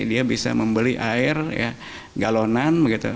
dia bisa membeli air galonan